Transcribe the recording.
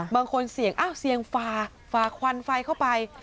บางคนเสี่ยงฝาควันไฟเข้าไป